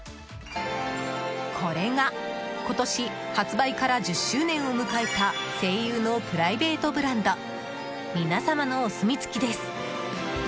これが今年発売から１０周年を迎えた西友のプライベートブランドみなさまのお墨付きです。